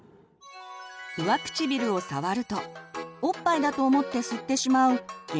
上唇を触るとおっぱいだと思って吸ってしまう原始反射。